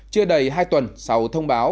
chưa đầy hai tuần sau thông báo